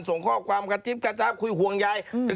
ส่งข้อความกระจิ๊บกระชับคุยห่วงใย